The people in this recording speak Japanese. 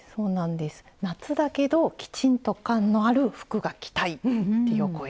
夏だけどきちんと感のある服が着たいっていうお声